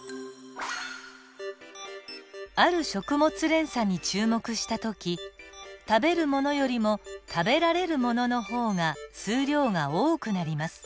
ある食物連鎖に注目した時食べるものよりも食べられるものの方が数量が多くなります。